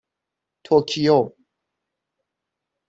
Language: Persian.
توکیو